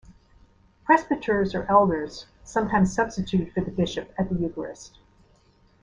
Presbyters or elders sometimes substituted for the bishop at the Eucharist.